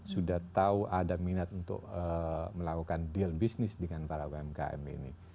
sudah tahu ada minat untuk melakukan deal bisnis dengan para umkm ini